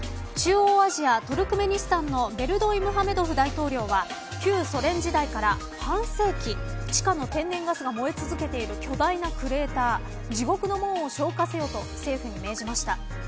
中央アジア、トルクメニスタンのベルドイムハメドフ大統領は旧ソ連時代から半世紀地下の天然ガスが燃え続けている巨大なクレーター地獄の門を消火せよと政府に命じました。